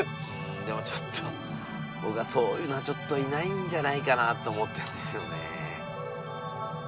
でもちょっと僕はそういうのはちょっといないんじゃないかなと思ってるんですよね。